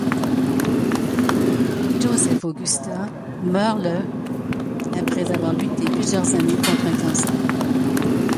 Josef Augusta meurt le après avoir lutté plusieurs années contre un cancer.